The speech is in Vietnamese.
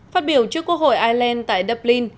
phát biểu trước quốc hội ireland tại dublin